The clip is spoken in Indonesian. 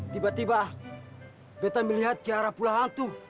tiba tiba betta melihat ke arah pulau hantu